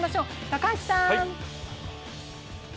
高橋さん。